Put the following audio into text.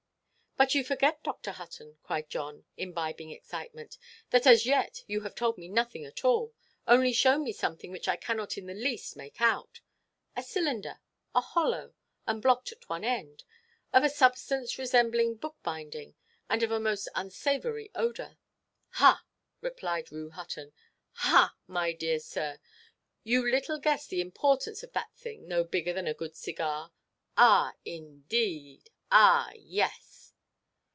"But you forget, Dr. Hutton," cried John, imbibing excitement, "that as yet you have told me nothing at all, only shown me something which I cannot in the least make out. A cylinder, hollow, and blocked at one end; of a substance resembling book–binding, and of a most unsavoury odour!" "Ha!" replied Rue Hutton, "ha, my dear sir, you little guess the importance of that thing no bigger than a good cigar. Ah, indeed! Ah, yes!"